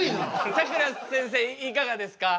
さくらせんせいいかがですか？